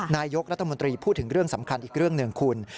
นายกรัฐมนตรีพูดถึงเรื่องสำคัญอีกเรื่องหนึ่งคุณ